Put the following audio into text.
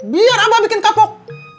biar abah bikin kapok